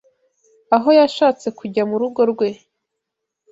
aho yashatse kujya mu rugo rwe